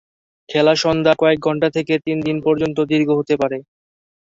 খেলা সন্ধ্যার কয়েক ঘণ্টা থেকে তিন দিন পর্যন্ত দীর্ঘ হতে পারে।